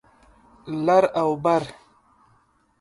لر او بر